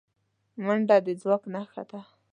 منډه د ځواک نښه ده